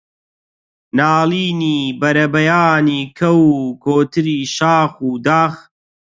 ناڵینی بەربەیانی کەو و کۆتری شاخ و داخ